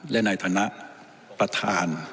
และในฐานะประธาน